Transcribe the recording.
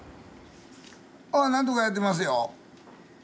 ああなんとかやってますよ。